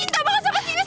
ayo pindek deh udah